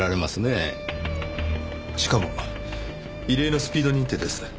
しかも異例のスピード認定です。